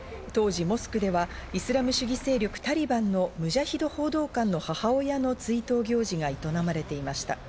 当時モスクではイスラム主義勢力・タリバンのムジャヒド報道官の母親の追悼行事が営まれていました。